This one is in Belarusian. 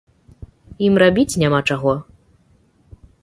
Ім рабіць няма чаго?